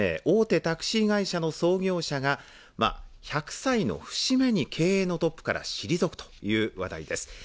大手タクシー会社の創業者が１００歳の節目に経営のトップから退くという話題です。